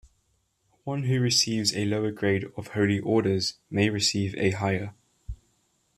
One who receives a lower grade of holy orders may receive a higher.